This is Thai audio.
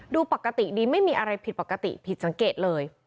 ดูปกติดีไม่มีอะไรผิดปกติผิดสังเกตเลย